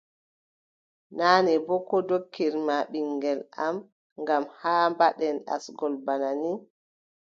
Naane boo, ko ndokkirma mi ɓiŋngel am ngam haa mbaɗen asngol bana nii.